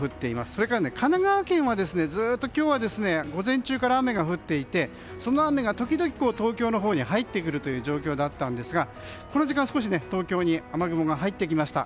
それから、神奈川県はずっと今日は午前中から雨が降っていてその雨が時々東京のほうに入ってくるという状況だったんですがこの時間、少し東京に雨雲が入ってきました。